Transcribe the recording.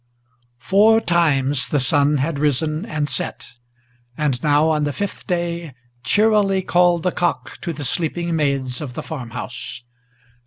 V. FOUR times the sun had risen and set; and now on the fifth day Cheerily called the cock to the sleeping maids of the farm house.